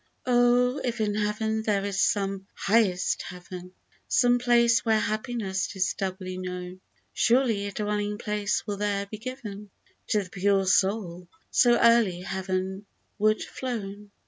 Oh ! if in Heav'n there is some highest Heaven, Some place where happiness is doubly known. Surely a dwelling place will there be given To the pure soul so early heav'n ward flown